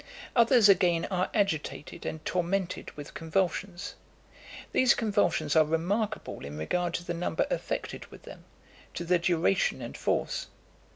Others again are agitated and tormented with convulsions. These convulsions are remarkable in regard to the number affected with them, to their duration and force.